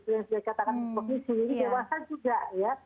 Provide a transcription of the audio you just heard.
yang saya katakan vaksinasi ini dewasa juga ya